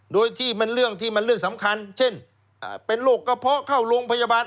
โดยที่มันเรื่องที่มันเรื่องสำคัญเช่นเป็นโรคกระเพาะเข้าโรงพยาบาล